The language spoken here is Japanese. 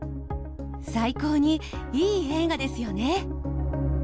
「最高にいい映画ですよね」